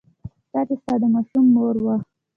چا چې ستا د ماشوم مور وه.